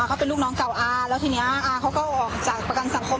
เขาเป็นลูกน้องเก่าอาแล้วทีนี้อาเขาก็ออกจากประกันสังคม